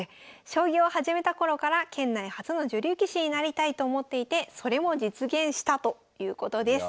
将棋を始めた頃から県内初の女流棋士になりたいと思っていてそれも実現したということです。